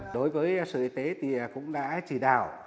đối với sở y tế thì cũng đã chỉ đạo